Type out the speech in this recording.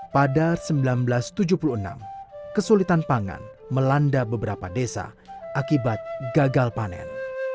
pada seribu sembilan ratus tujuh puluh enam kesulitan pangan melanda beberapa desa akibat gagal panen